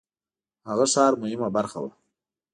هغه ښار مهمه برخه وه.